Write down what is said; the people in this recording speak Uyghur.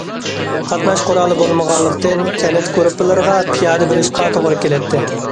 قاتناش قورالى بولمىغانلىقتىن، كەنت گۇرۇپپىلىرىغا پىيادە بېرىشقا توغرا كېلەتتى.